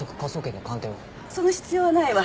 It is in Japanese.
その必要はないわ。